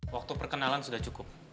waktu perkenalan sudah cukup